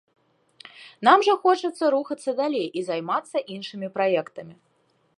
Нам жа хочацца рухацца далей і займацца іншымі праектамі.